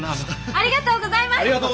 ありがとうございます！